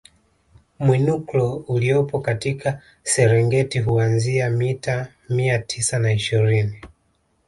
Mwinuklo uliopo katika Serengeti huanzia mita mia tisa na ishirini